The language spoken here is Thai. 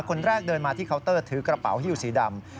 คนแรกเดินมาที่เคาน์เตอร์ถือกระเป๋าฮิวสีดำ